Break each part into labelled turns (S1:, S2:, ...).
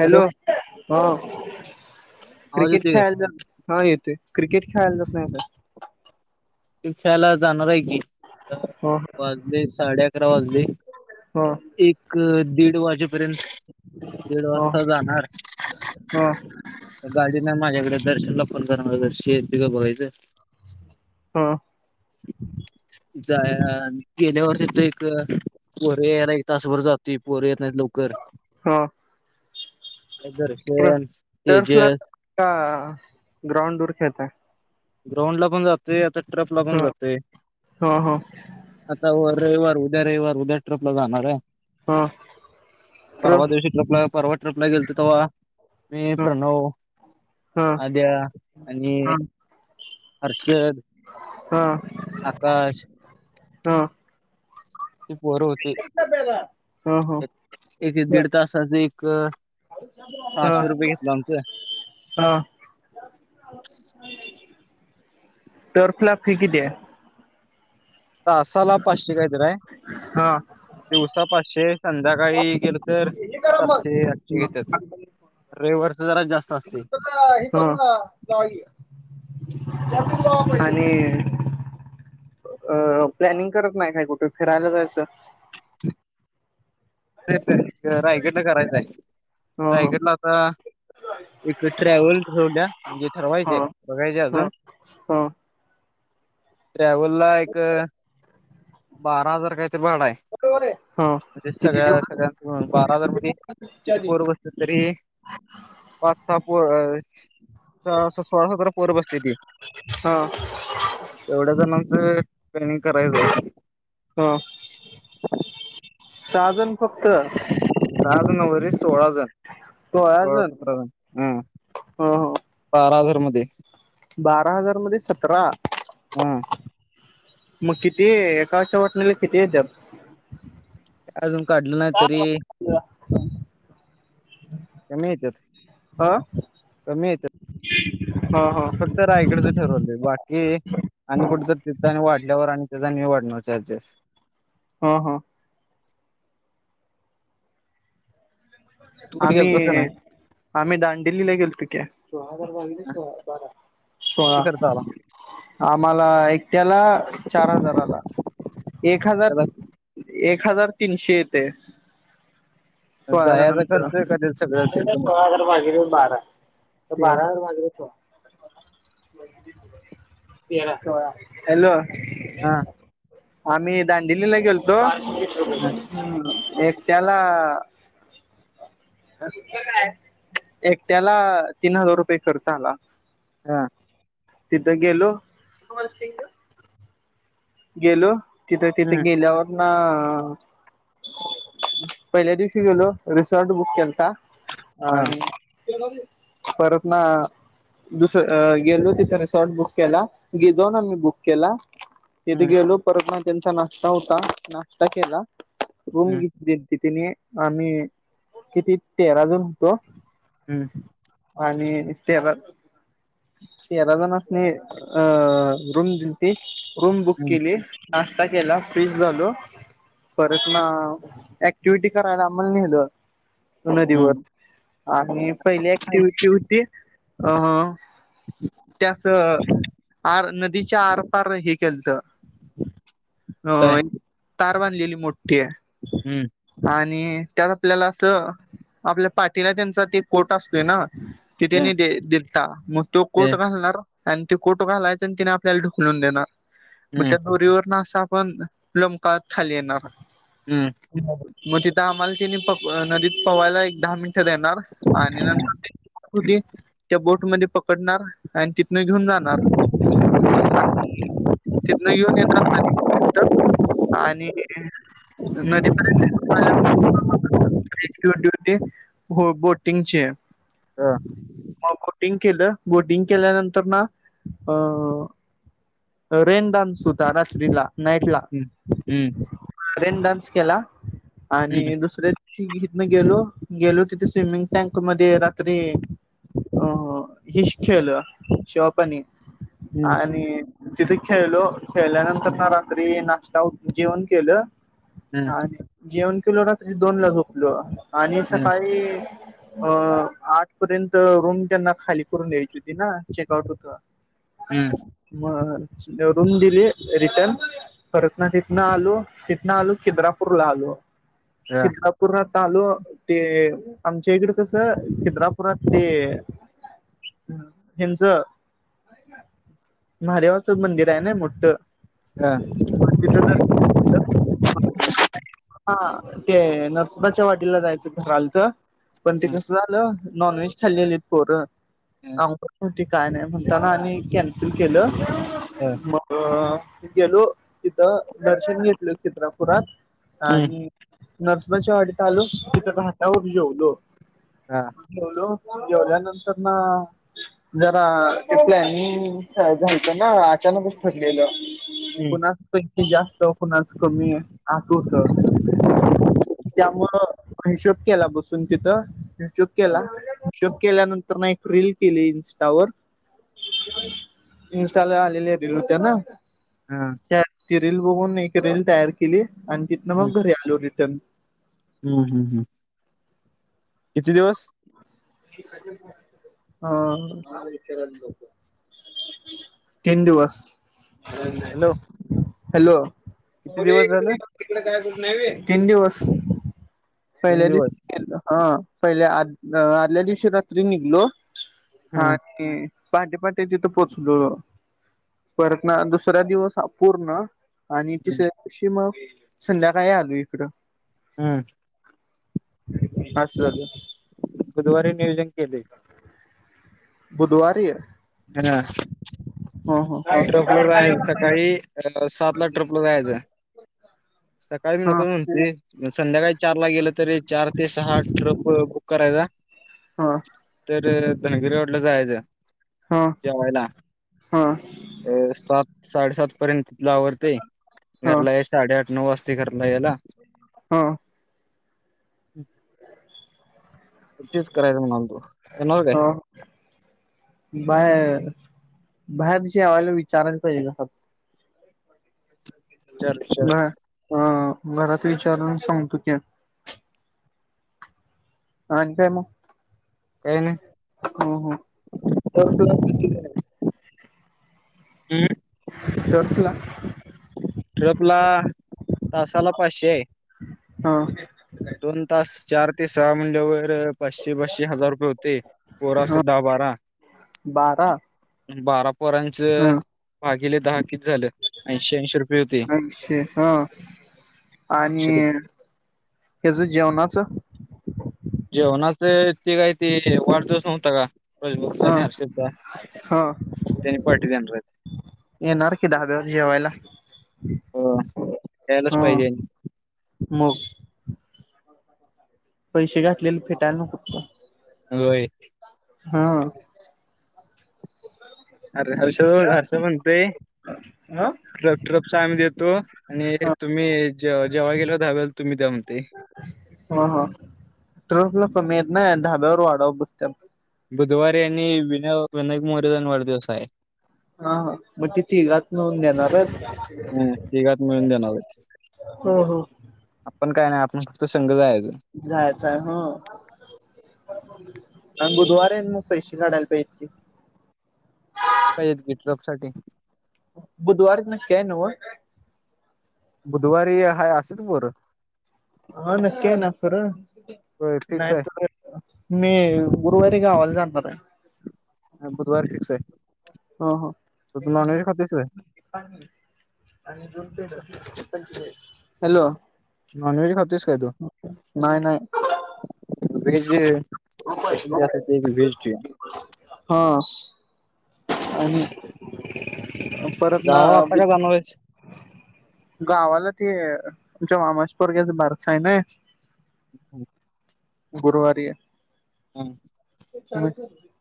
S1: Hello ह
S2: आवाज
S1: cricket
S2: येतोय काय?
S1: खेळाल जा. हा येते क्रिकेट खेळायला जच नाही तर.
S2: खेळायला जाणार आहे की
S1: का ह
S2: वाजले साडे अकरा वाजले.
S1: ह
S2: एक दीड वाजेपर्यंत दीड वाजता जाणार.
S1: ह
S2: गाडी ना माझ्याकडे दर्शनला फोन करनार तो जातोय काय बघायचं.
S1: हम
S2: गेल्या वर्षथ एक वरे ना. तासभर जातती पोर येत नाहीत लवकर. दर्शन
S1: टर्फ ला
S2: तेजस
S1: का ग्राउंड वर खेळताय.
S2: ग्राउंड ला पण जाते आता ट्रप ला पण
S1: ह
S2: जातोय.
S1: ह ह
S2: आता रविवार उद्या रविवार उद्या ट्रपला जाणार आहे
S1: ह
S2: परवा
S1: ट्रफ
S2: दिवशी ट्रपला परवा ट्रपला गेलते तेव्हा मी प्रणव.
S1: ह ह
S2: आद्या आणि हर्षद.
S1: हा
S2: आकाश ते पर होती.
S1: ह ह ह
S2: एक दीड तासाच एक पाचशे रुपये घेतला आमचं.
S1: हा ट्रप ला फि कीती आहे.
S2: तासाला पाशे कायतरय.
S1: हा
S2: दिवसा पाचशे संध्याकाळी गेलो. तर सातशे आठशे घेतात रविवारच जरा जास्त असतय.
S1: आणि अ प्लॅनिंग करत नाही काय कुठे फिरायला जायचं.
S2: तेेत रायगडला करायचंय.
S1: ह
S2: रायकडला आता एक ट्रॅव्हल ठेव द्या म्हणजे ठरवायचंय.
S1: हा हा
S2: ट्रॅव्हल ला एक बारा हजार काहीतरी भाड आहे
S1: हा
S2: म्हणजे सगळ्या सगळ्यां बारा जर म्हणजे किती पोर बसले तरी पाच सहा सोळा सतरा पोर बसते ती
S1: हा
S2: तेवढ्या जणांचं ट्रेनिंग करायचं आहे.
S1: हा सहा जन फक्त.
S2: सहा ज नवरी सोळा जण सोळा सतरा हजार हा
S1: हो हो
S2: बारा हजार मध्ये.
S1: बारा हजार मध्ये सतरा.
S2: हा
S1: मग किती एका वाटणीला किती येतात
S2: अजून काढलं नाही तरी कमेत कमीेत
S1: हा हा
S2: फक्त रायकडच ठरव दे बाकी आणि कुठेे तर ति वाढल्यावर आणि त्याच नि वाढणार चार्जेस.
S1: हा हा
S2: तू कुठे गेल
S1: आम्ही
S2: तस का नाही
S1: आम्ही दांडिलीला गेलतो की [unintelligible] तुक बारा
S2: तिकड चाला
S1: आम्हाला एकट्याला चार हजाराला एक हजार
S2: त्याला
S1: एक हजार तीनशे येतय.
S2: जायचा खर्च.
S1: सळा
S2: का त्या सगळंच एकदम
S1: हजार भागीले बारा तर बारा हजार भागले सोळा. तेळा हॅलो [unintelligible]
S2: हा
S1: आम्ही दांडिलीला गेलतो.
S2: हम्
S1: हम्म एकट्याला. एकट्याला तीन हजार रुपये खर्च आला.
S2: हा
S1: तिथं गेलो गेलो तिथे तिथे
S2: हम्म
S1: गेल्यावर पहिल्या दिवशी गेलो रिसॉर्ट बुक केलता.
S2: हा
S1: आणि परतन दुसर गेलो ति त्याने शॉर्ट बुक केला तीथ जाऊन आम्ही बुक केला. तथे
S2: हम्म
S1: गेलो परत म त्यांचा नाश्ता होता नाश्ता केला रूम.
S2: हम्म
S1: तिथेने आम्ही किती तेरा जण होतो.
S2: हम्म
S1: आणि तेरा तेरा जनासनी अ रूम दिल ती रूम बुक
S2: हम्म
S1: केली. नाश्ता केला फ्रेश झालो. परत न ऍक्टिव्हटी करायला आम्हाला नेलं. नदीवर
S2: हम्म
S1: आणि पहिली ऍक्टिव्हटी होती अ. त्यास आर नदीच्या आरपार हे केलत.
S2: काय
S1: हो तार बांधलेली मोठी आहे.
S2: हम्म
S1: आणि त्यात आपल्याला असं आपल्या पाठीला त्यांचा ते कोट असतोय ना ते त्यानी दिलता मग तो
S2: ते
S1: कोट घालणार आणि ते कोट घालायचा आणि तिने आपल्याला ढुकलून देणार. मग
S2: हम्म
S1: त्या दोरीवर ना असा आपण लोंबकळत खाली येणार.
S2: हम्म
S1: मग तिथं आम्हाला तिने प नदीत पवायला एक दहा मिनट देणार आणि नंतर म्हणत होती त्या बोट मध्ये पकडणार आणि तिथून घेऊन जाणार. तिथन युनियन अस आणि न ते [inaudible] टू हंड्रेड रुपये बोटिंगचे
S2: हा
S1: मग बोटिंग केलं बोटिंग केल्यानंतर ना अ रेन डान्स होता रात्रीला नाईट ला
S2: हम्म हम्म
S1: रेन डान्स केला
S2: हम्म
S1: आणि दुसरे ही हितन गेलो गेलो तिथे स्विमिंग टँक मध्ये रात्री अ हिश खेल शॉपनी
S2: हम्म
S1: आणि तिथे खेळलो खेळल्यानंतर ना रात्री नाश्ता जेवण केलं.
S2: हम्म
S1: आणि जेवण केलो रात्री दोन ला झोपलो आणि
S2: हम्म
S1: सकाळी अ आठ पर्यंत रूम त्यांना खाली करून द्यायची होती ना चेकआउट
S2: हम्म
S1: होत. म रूम दिली रिटन खरतना तिथन आलो तिथन आलो खिद्रापूर ला आलो. खिद्रापुरात आलो ते आमच्या इकड कस खिद्रापुरात ते ह्यांच महादेवाचं मंदिर आहे ना मोठं
S2: ह
S1: मग तिथ दर्शन हा ते नरसोबाच्या वाडीला जायचं ठरालत. पण ते
S2: हं,
S1: कसं झालं नॉनव्हेज खाल्लेली पोरं
S2: हम्म
S1: काय नाही म्हणताना आणि कॅनसल केलं
S2: हं,
S1: म अ गेलो तिथं दर्शन घेतल खिद्रापुरात
S2: हं,
S1: आणि नरसोबाच्या वाडीत आलो तिथ घाटावर जेवलो.
S2: हा.
S1: जेवलो जेवल्यानंतरन जरा ते प्लॅनिंग झालत ना अचानकच ठरलेलं.
S2: हं,
S1: कुणाकड पैसे जास्त कुणाच कमी अस होत. त्यामुळ हिशोब केला बसून तिथं हिशोब केला.
S2: हं,
S1: हिशोब केल्यानंतर ना एक रील केली इन्स्टावर इनस्टाला आलेल्या रील होत्या ना
S2: हा.
S1: त्या ती रील बघून एक रील तयार केली आणि तिथनं मग घरी आलो रिटर्न
S2: हम्म हम्म किती दिवस?
S1: हा. तीन दिवस
S2: हॅलो
S1: हॅलो
S2: किती दिवस झालं
S1: तीकडे काय कस नाही तीन दिवस
S2: तीन
S1: पहिल्या
S2: दिवस
S1: दिवशी हा पहिले आ आदल्या दिवशी रात्री निघलो
S2: हम्म
S1: आणि पहाटे पहाटे तिथं पोचलो परत ना दुसरा दिवस पूर्ण आणि तिसऱ्या दिवशी मग संध्याकाळी आलू इकडं
S2: हम
S1: असस
S2: बुधवारी नियोजन केले
S1: बुधवारी आहे
S2: हा
S1: हा
S2: ट्रपलो जायचं सकाळी सात ला ट्रपलो जाहायचं सकाळी मी
S1: हा
S2: नकोच म्हणतोय रे संध्याकाळी. चार ला गेलं तरी चार ते सहा ट्रप बुक करायचा.
S1: हा
S2: तर धारवाडी लाख जायच जेवायला.
S1: हा
S2: अ सात साडेसात पर्यंत तिथल आवरतय
S1: हा
S2: घरला यायला साडेआठ नऊ वाजता चे घरला यायला
S1: हा
S2: तेच करायचं म्हग आम तो येणार काय
S1: हा बाहेर बाहेरशी यावायला विचारायला पाहिजे का
S2: चार
S1: ब अ घरात विचारून सांगतो की अ काय म
S2: काय नाही
S1: ह ह [unintelligible]
S2: [unintelligible]
S1: दरटला
S2: ट्रप ला तासाला पाचशेय
S1: हा
S2: दोन तास चार ते सहा म्हणल्यावर पाशे पाशे हजार रुपय हुतय पोर
S1: हा
S2: असत्यात दहा बारा.
S1: बारा
S2: आणि बारा पोरांचं
S1: हा
S2: भागिले दहा. कीती झालं ऐंशी ऐंशी रुपये हुतय.
S1: ऐंशी हा आणि याचं जेवणाचं.
S2: जेवणाच ते काय. ते वाढदिवस नव्हता का रजमुखचा आणि
S1: ह
S2: हर्षदचा त्यांनी पार्टी देणार.
S1: एनार की धाब्यावर जेवायला.
S2: होय यायलाच
S1: ह
S2: पाहिजे.
S1: मग पैसे घातलेले फिटायला नको.
S2: होय
S1: हा
S2: अरे हर्ष हर्ष म्हणतय
S1: ह
S2: ट्रपचा आम्ही देतो आणि तुम्ही जेव्हा गेल दधहावे्याला तुम्ही दऊन ते
S1: ह हा ट्रफला पमी येत ना ढाब्यावर वाढावं बसते
S2: बुधवारी यांनी विनय विनायक मोरेचा अणि वाढदिवस आहे.
S1: हा हा मग तिथघात नऊन घेणार आहे
S2: हम्म तिघात मिळून देणार आहेत.
S1: हम् हम्
S2: आपण काय नाही आपण फक्त संघ जायचं.
S1: जायचंय न्हव. मंग बुधवार मग पैसे काढायला पाहिजेत की.
S2: पाहिजेत गी ट्रप साठी
S1: बुधवारी नक्की हाय नव्हं.
S2: बुधवारी आहे आसितिल पोर.
S1: हा नक्की ना खर.
S2: होय फिक्स आहे
S1: मी गुरुवारी गावाला जाणार आहे.
S2: ह बुधवार फिक्स आहे
S1: ह ह
S2: तू नॉनवेज खातुयस वय.
S1: हॅलो
S2: नॉन व्हेज खातोस काय तू
S1: नाही नाही
S2: व्हेज स्पेशल असते व्हेज ची
S1: हा आणि परत ना.
S2: गावाला आता का जाणार आहेस?
S1: गावाला ते आमच्या मामाच्या पोरग्याच बारस आहे नई.
S2: हम्
S1: गुरुवारी आहे.
S2: हो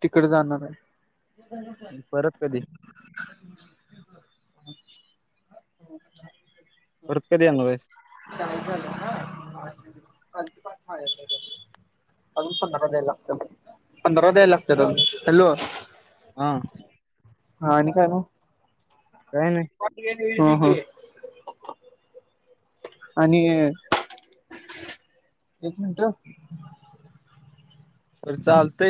S1: तिकड जाणार आहे. [inaudible]
S2: परत कधी परत कधी येणारेस.
S1: काय झालं ना पण. अ पं ला पंधरा द्यायला लागतात हॅलो.
S2: हा
S1: हा आणि काय मं.
S2: काय नाही.
S1: [unintelligible] आणि ए एक मिनट
S2: चालतय.